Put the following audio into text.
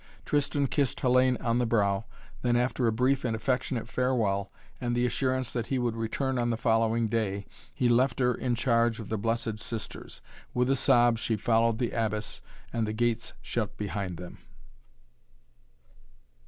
Tristan kissed Hellayne on the brow, then, after a brief and affectionate farewell and the assurance that he would return on the following day, he left her in charge of the Blessed Sisters. With a sob she followed the Abbess and the gates shut behind them.